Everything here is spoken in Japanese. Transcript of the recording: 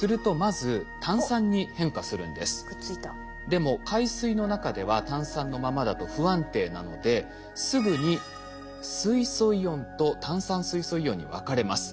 でも海水の中では炭酸のままだと不安定なのですぐに水素イオンと炭酸水素イオンに分かれます。